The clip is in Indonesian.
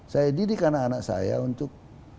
saya didik anak anak saya untuk